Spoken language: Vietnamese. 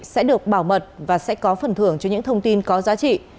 sẽ được bảo mật và sẽ có phần thưởng cho những thông tin có giá trị